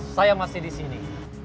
saya masih di sini